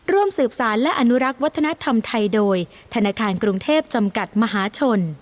ร่วมสืบสารและอนุรักษ์วัฒนธรรมไทยโดยธนาคารกรุงเทพจำกัดมหาชน